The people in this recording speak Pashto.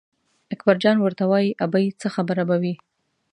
اکبرجان ورته وایي ابۍ څه خبره به وي.